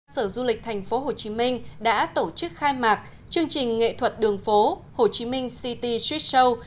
sở du lịch tp hcm đã tổ chức khai mạc chương trình nghệ thuật đường phố hồ chí minh city street show